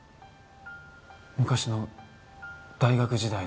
昔の大学時代の。